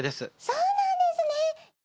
そうなんですね！